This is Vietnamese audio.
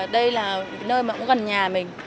đây là nơi gần nhà mình